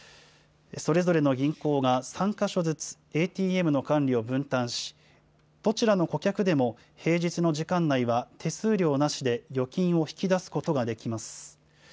それぞれの銀行が３か所ずつ、ＡＴＭの管理を分担し、どちらの顧客でも平日の時間内は手数料なしで預金を引き出すことができます。